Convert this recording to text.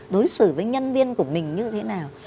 đối xử với nhân viên của mình như thế nào